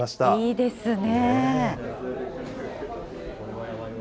いいですね。